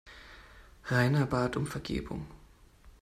Rainer bat um Vergebung.